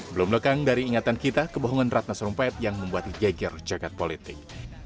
belum lekang dari ingatan kita kebohongan ratna sarumpait yang membuat geger jagad politik